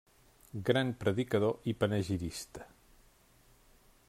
Gran predicador i panegirista.